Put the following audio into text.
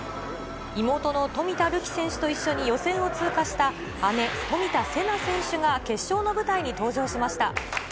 妹の冨田るき選手と一緒に予選を通過した姉、冨田せな選手が決勝の舞台に登場しました。